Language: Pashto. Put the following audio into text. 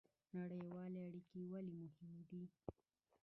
نړیوالې اړیکې ولې مهمې دي؟